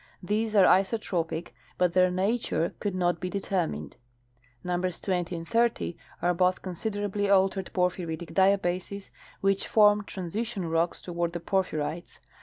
These are iso tropic, but their nature could not be determined. Numbers 20 and 30 are both considerably altered porphyritic diabases, which form transition rocks toward the porphyrites.